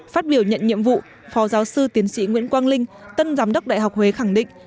phát biểu nhận nhiệm vụ phó giáo sư tiến sĩ nguyễn quang linh tân giám đốc đại học huế khẳng định